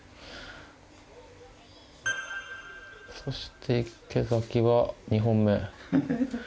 そして池崎は２本目。